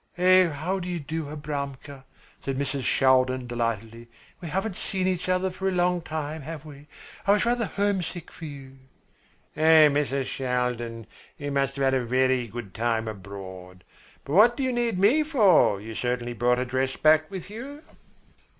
"Oh, how do you do, Abramka?" said Mrs. Shaldin delightedly; "we haven't seen each other for a long time, have we? I was rather homesick for you." "Oh, Mrs. Shaldin, you must have had a very good time abroad. But what do you need me for? You certainly brought a dress back with you?"